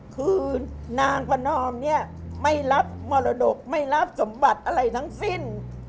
คือนางประนอมเนี่ยไม่รับมรดกไม่รับสมบัติอะไรทั้งสิ้น